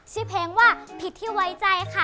ชื่อเพลงว่าผิดที่ไว้ใจค่ะ